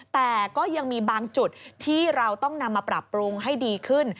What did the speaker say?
แต่ก็ยังมีบางจุดที่เราต้องนำมาปรับปรุงให้ดีขึ้น